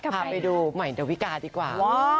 พาไปดูใหม่ดาวิกาดีกว่า